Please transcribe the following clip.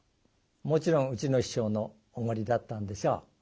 もちろんうちの師匠のおごりだったんでしょう。